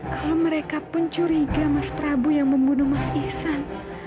kalau mereka pencuriga mas prabu yang membunuh mas ihsan